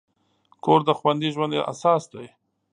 کور د خوندي ژوند اساس دی.